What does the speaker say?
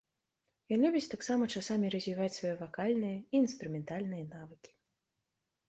Ён любіць таксама часамі развіваць свае вакальныя і інструментальныя навыкі.